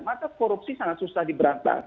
maka korupsi sangat susah diberantas